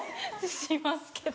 しますけど。